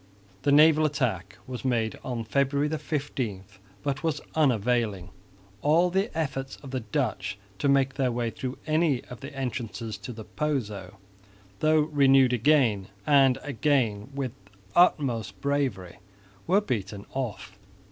The naval attack was made on February 15, but was unavailing. All the efforts of the Dutch to make their way through any of the entrances to the Pozo, though renewed again and again with the utmost bravery, were beaten off.